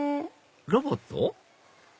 ロボット？